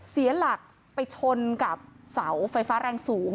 เสียหลักไปชนกับเสาไฟฟ้าแรงสูง